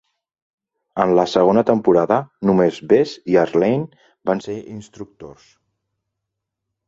En la segona temporada, només Bess i Arlaine van ser instructors.